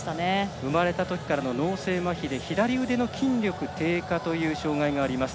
生まれたときから脳性まひで左腕の筋力低下という障がいがあります。